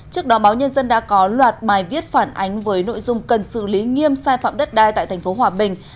trước đó báo nhân dân đã có loạt bài viết phản ánh với nội dung cần xử lý nghiêm sai phạm đất đai tại tp hòa bình